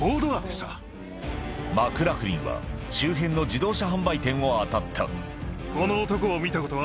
マクラフリンは周辺の自動車販売店を当たったこの男を見たことは？